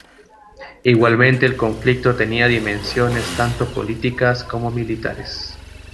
Igualmente el conflicto tenía dimensiones tanto políticas como militares.